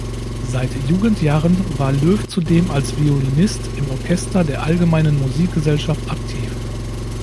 Seit Jugendjahren war Löw zudem als Violinist im Orchester der Allgemeinen Musikgesellschaft aktiv.